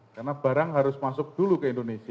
karena barang harus masuk dulu ke indonesia